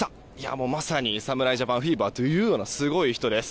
もうまさに侍ジャパンフィーバーというようなすごい人です。